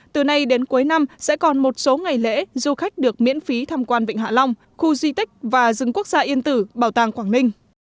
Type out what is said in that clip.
từ nay đến cuối năm sẽ còn một số ngày lễ du khách được miễn phí tham quan vịnh hạ long khu di tích và rừng quốc gia yên tử bảo tàng quảng ninh